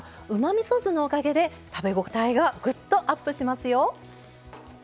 みそ酢のおかげで食べ応えがグッとアップしますよ。